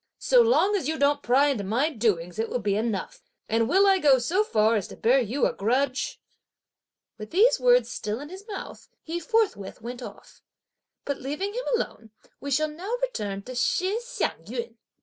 So long as you don't pry into my doings it will be enough; and will I go so far as to bear you a grudge?" With these words still in his mouth, he forthwith went off. But leaving him alone we shall now return to Shih Hsiang yün.